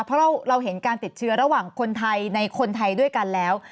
เพราะเราเห็นการติดเชื้อระหว่างคนไทยในคนไทยด้วยกันแล้ว